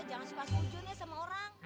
jangan suka seujurnya sama orang